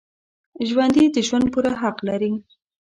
ژوندي د ژوند پوره حق لري